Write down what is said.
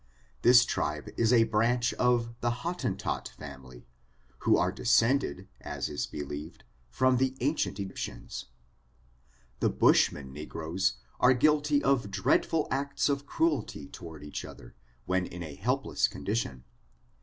This tribe is a branch of the Hot tentot family, who are descended, as is believed, from the ancient Egyptians. The bushman negroes are guilty of dreadful acts of cruelty toward each other, when in a helpless condition.